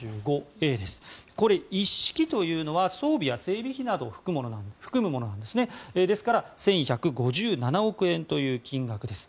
これ、１式というのは装備や整備費などを含むものですですから１１５７億円という金額です。